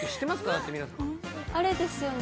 あれですよね？